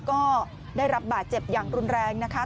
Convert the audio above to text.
ก็ได้รับบาดเจ็บอย่างรุนแรงนะคะ